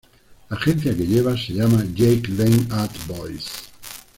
La agencia que lleva se llama Jackie Lane Ad Voice.